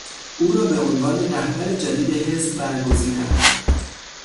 او را به عنوان رهبر جدید حزب برگزیدند.